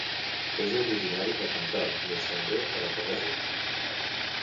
És originari de Cantal mes també de la Corresa.